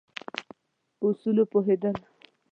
په اصولو پوهېدل.